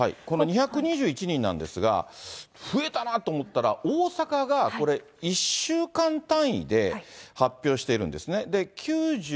この２２１人なんですが、増えたなと思ったら、大阪がこれ、１週間単位で発表しているんですね。